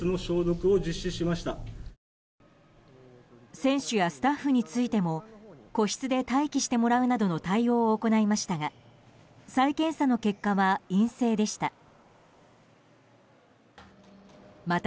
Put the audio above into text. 選手やスタッフについても個室で待機してもらうなどの対応を行いましたが再検査の結果は陰性でした。